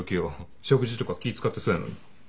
食事とか気使ってそうやのに。